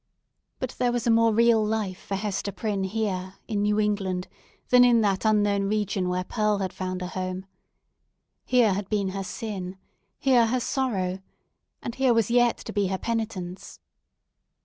But there was a more real life for Hester Prynne, here, in New England, than in that unknown region where Pearl had found a home. Here had been her sin; here, her sorrow; and here was yet to be her penitence.